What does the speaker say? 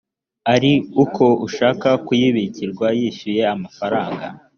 ari uko ushaka kuyibikirwa yishyuye amafaranga